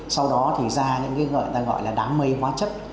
sau đó thì ra những cái gọi là đám mây hóa chất